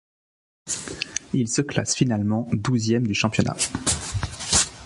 Il se classe finalement douzième du championnat.